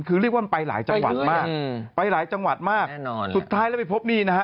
คือเรียกว่ามันไปหลายจังหวัดมากไปหลายจังหวัดมากสุดท้ายแล้วไปพบนี่นะฮะ